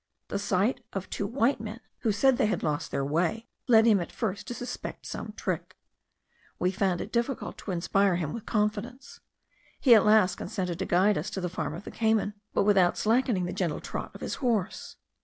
The sight of two white men, who said they had lost their way, led him at first to suspect some trick. We found it difficult to inspire him with confidence; he at last consented to guide us to the farm of the Cayman, but without slackening the gentle trot of his horse.